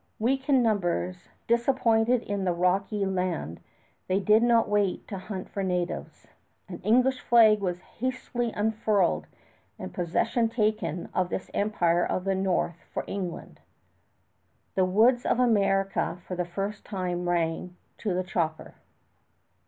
Weak in numbers, disappointed in the rocky land, they did not wait to hunt for natives. An English flag was hastily unfurled and possession taken of this Empire of the North for England. The woods of America for the first time rang to the chopper.